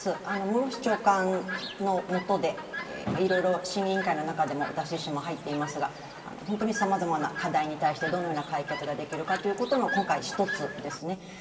室伏長官のもとで、いろいろ審議委員会の中でも私自身も入っていますが、本当にさまざまな課題に対してどのような解決ができるかということが、今回、一つですね。